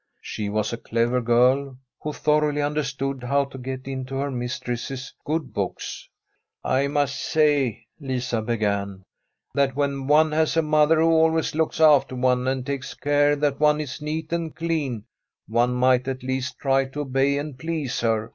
She was a clever g^rl, who thoroughly understood how to get into her mistress's good books. ' I must say,' Lisa began, ' that when one has a mother who always looks after one, and takes The STORY of a COUNTRY HOUSE care that one is neat and clean, one might at least try to obey and please her.